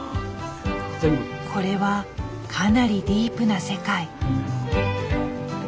これはかなりディープな世界。